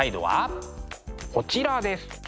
こちらです。